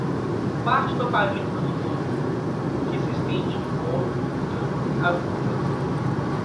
parte do aparelho reprodutor, que se estende do colo do útero à vulva